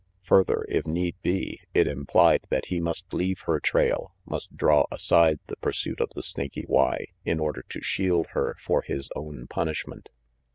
Further, if need be, it implied that he must leave her trail, must draw aside the pursuit of the Snaky Y in order to shield her for his own punishment.